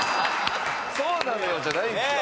「そうなのよ」じゃないんですよ。